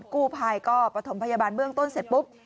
กู้ภัยก็ประถมพยาบาลเบื้องต้นเสร็จปุ๊บ